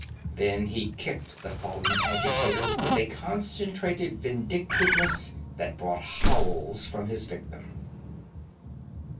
Then he kicked the fallen agitator with a concentrated vindictiveness that brought howls from his victim.